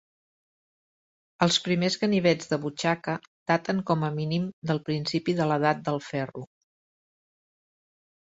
Els primers ganivets de butxaca daten com a mínim del principi de l'Edat del ferro.